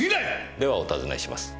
ではお尋ねします。